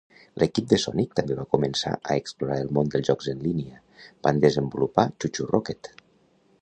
L'equip de Sonic també va començar a explorar el món dels jocs en línia; van desenvolupar ChuChu Rocket!